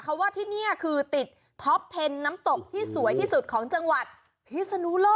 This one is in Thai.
เขาว่าที่นี่คือติดท็อปเทนน้ำตกที่สวยที่สุดของจังหวัดพิศนุโลก